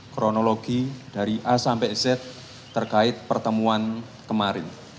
kronologi dari a sampai z terkait pertemuan kemarin